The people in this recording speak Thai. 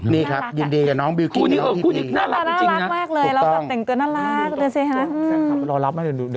นี่ครับยินดีกับน้องบิลกิ้นน่ารักมากเลยแล้วก็แบบแต่งตัวน่ารักเลยสิฮะรอรับให้ดู